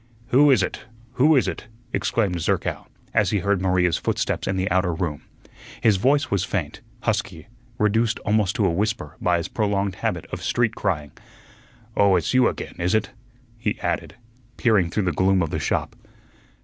"Who is it? Who is it?" exclaimed Zerkow, as he heard Maria's footsteps in the outer room. His voice was faint, husky, reduced almost to a whisper by his prolonged habit of street crying. "Oh, it's you again, is it?" he added, peering through the gloom of the shop.